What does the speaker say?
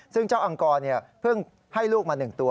ซึ่งเจ้าอังกรเพิ่งให้ลูกมา๑ตัว